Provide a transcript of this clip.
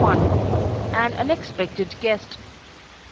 AN UNEXPECTED GUEST.